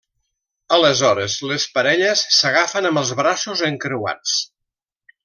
Aleshores, les parelles s'agafen amb els braços encreuats.